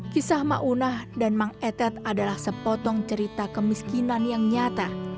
kisah maunah dan mang etet adalah sepotong cerita kemiskinan yang nyata